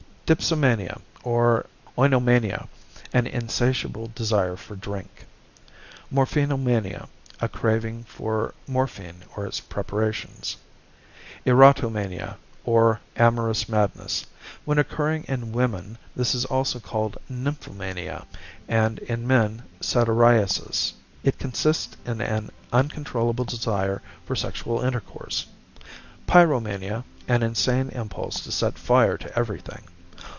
Dipsomania, or Oinomania, an insatiable desire for drink. Morphinomania, a craving for morphine or its preparations. Erotomania, or amorous madness. When occurring in women this is also called Nymphomania, and in men Satyriasis. It consists in an uncontrollable desire for sexual intercourse. Pyromania, an insane impulse to set fire to everything.